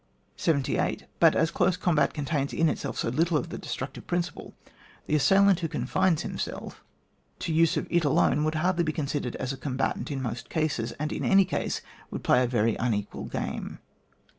78. But as close combat contains in itself so little of the destructive principle, the assailant who confines himself to the use of it alone would hardly be considered as a combatant in most cases, and in any case would play a very unequal g^me.